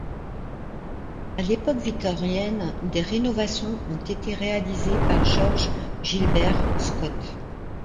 À l'époque victorienne, des rénovations ont été réalisées par George Gilbert Scott.